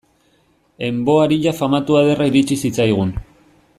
En vo aria famatua ederra iritsi zitzaigun.